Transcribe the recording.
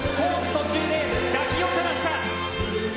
途中で抱き寄せました。